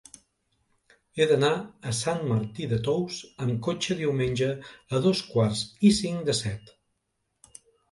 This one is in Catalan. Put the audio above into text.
He d'anar a Sant Martí de Tous amb cotxe diumenge a dos quarts i cinc de set.